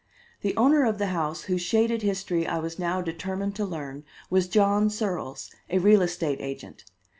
The owner of the house whose shaded history I was now determined to learn was John Searles, a real estate agent.